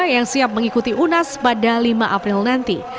yang siap mengikuti unas pada lima april nanti